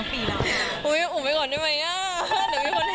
เพิ่มหน่อย